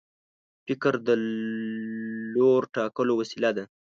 فکر د لور ټاکلو وسیله ده.